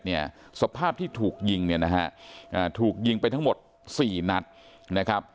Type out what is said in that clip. เนี่ยสภาพที่ถูกยิงเนี่ยนะฮะอ่าถูกยิงไปทั้งหมดสี่นัดนะครับ